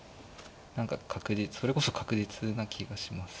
何かそれこそ確実な気がします。